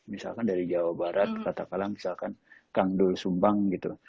misalkan dari jawa barat katakalang misalkan kangdul sumbang gitu